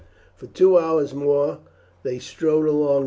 For two hours more they strode along.